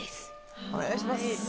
お願いします。